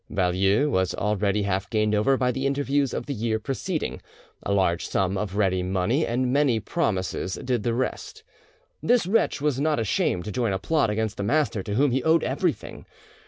Baulieu was already half gained over by the interviews of the year preceding; a large sum of ready money and many promises did the rest. This wretch was not ashamed to join a plot against a master to whom he owed everything.